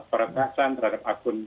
peretasan terhadap akun